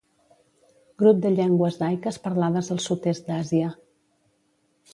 Grup de llengües daiques parlades al sud-est d'Àsia.